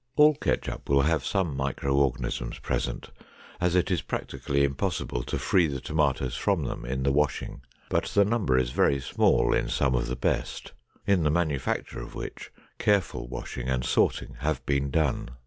All ketchup will have some micro organisms present, as it is practically impossible to free the tomatoes from them in the washing, but the number is very small in some of the best, in the manufacture of which careful washing and sorting have been done.